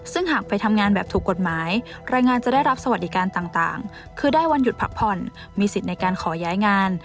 ซึ่งหากไปทำงานแบบถูกกฎหมายรายงานจะได้รับสวัสดิการต่างคือได้วันหยุดพักผ่อนมีสิทธิ์ในการขอย้ายงาน